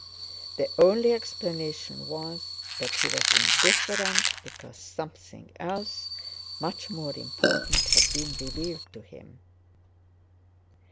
The only explanation was that he was indifferent, because something else, much more important, had been revealed to him.